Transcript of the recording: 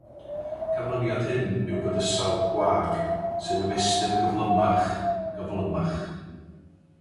Canlyniad hyn yw bydysawd gwag, sy'n ymestyn yn gyflymach, gyflymach.